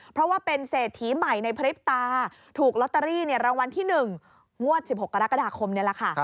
เพราะว่าเป็นเศรษฐีใหม่ในพริบตาถูกลอตเตอรี่รางวัลที่๑งวด๑๖กรกฎาคมนี่แหละค่ะ